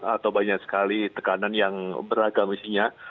atau banyak sekali tekanan yang beragam isinya